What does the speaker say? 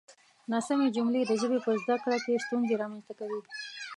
ناسمې جملې د ژبې په زده کړه کې ستونزې رامنځته کوي.